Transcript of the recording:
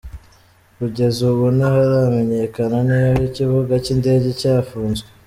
Kugeza ubu ntiharamenyekana niba ikibuga cy’indege cyafunzwe.